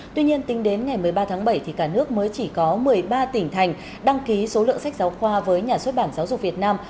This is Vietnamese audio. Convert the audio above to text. tuy nhiên tính đến ngày một mươi ba tháng bảy thì cả nước mới chỉ có một mươi ba tỉnh thành đăng ký số lượng sách giáo khoa với nhà xuất bản giáo dục việt nam